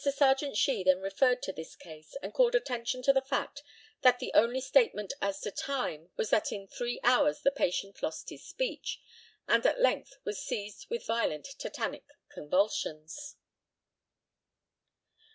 Serjeant SHEE then referred to this case, and called attention to the fact that the only statement as to time was that in three hours the patient lost his speech, and at length was seized with violent tetanic convulsions.